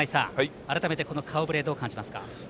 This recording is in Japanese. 改めてこの顔ぶれどう感じますか。